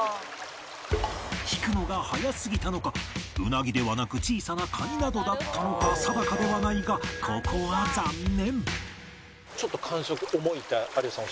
引くのが早すぎたのかウナギではなく小さなカニなどだったのか定かではないがここは残念